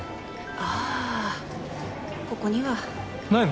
ああここには。ないの！？